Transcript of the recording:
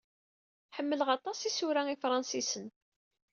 Ḥemmleɣ aṭas isura ifṛensisen.